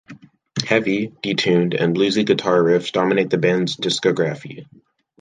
Heavy, detuned, and bluesy guitar riffs dominate the band's discography.